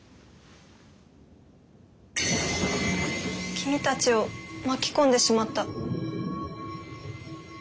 「君たちを巻き込んでしまった」。